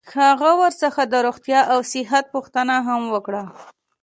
هغه ورڅخه د روغتیا او صحت پوښتنه هم وکړه.